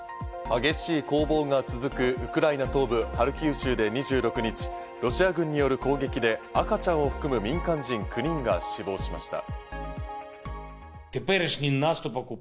激しい攻防が続くウクライナ東部ハルキウ州で２６日、ロシア軍による攻撃で赤ちゃんを含む民間人９人が死亡しました。